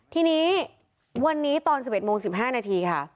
ทีนี้วันนี้ตอน๑๑โมง๑๕นาทีค่ะ